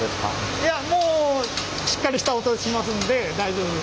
いやもうしっかりした音しますんで大丈夫です。